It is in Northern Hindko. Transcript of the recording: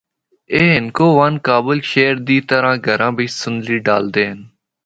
اے ہندکوان کابل شہر دی طرح گھراں بچ صندلی ڈالدے ہن۔